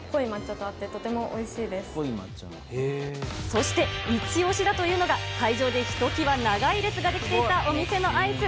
そして、イチ押しだというのが、会場でひときわ長い列ができていたお店のアイス。